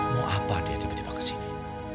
mau apa dia tiba tiba ke sini